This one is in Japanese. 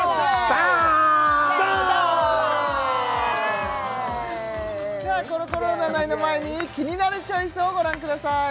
ダーンではコロコロ占いの前にキニナルチョイスをご覧ください